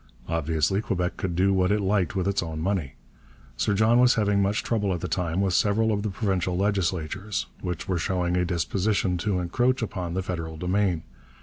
Obviously Quebec could do what it liked with its own money. Sir John was having much trouble at the time with several of the provincial legislatures, which were showing a disposition to encroach upon the federal domain.